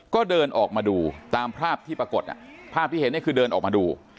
ก็เดินออกมาดูตามภาพที่ปรากฏภาพที่เห็นเนี่ยคือเดินออกมาดู